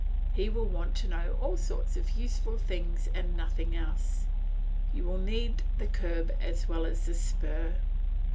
He will want to know all sorts of useful things and nothing else; you will need the curb as well as the spur.